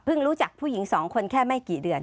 รู้จักผู้หญิงสองคนแค่ไม่กี่เดือน